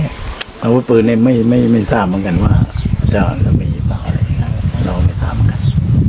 อาวุธปืนไม่ทราบเหมือนกันว่าเจ้าจะมีหรือเปล่าเราไม่ทราบเหมือนกัน